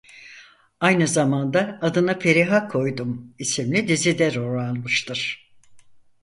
Aynı zamanda "Adını Feriha Koydum" isimli dizide rol almıştır.